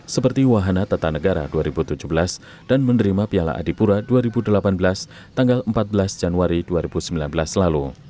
seperti wahana tata negara dua ribu tujuh belas dan menerima piala adipura dua ribu delapan belas tanggal empat belas januari dua ribu sembilan belas lalu